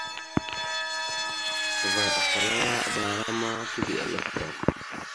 Vvaɗ afalaŋana aɓəlara ma tigəɗal afta.